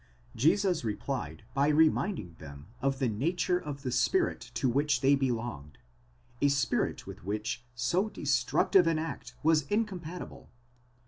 Jesus replied by reminding them of the nature of the spirit to which they belonged, a spirit with which so destructive an act was incompat ible.